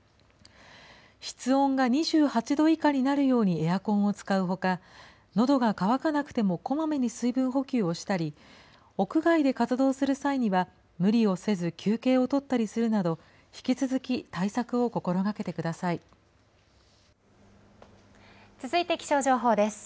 室温が２８度以下になるようにエアコンを使うほか、のどが渇かなくてもこまめに水分補給をしたり、屋外で活動する際には、無理をせず休憩を取ったりするなど、続いて気象情報です。